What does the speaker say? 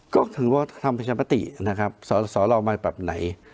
ก็ถึงว่าท่านผู้ชายประตินะครับสรรรอมาแบบไหน